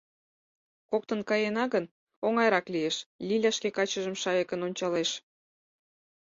— Коктын каена гын, оҥайрак лиеш, — Лиля шке качыжым шайыкын ончалеш.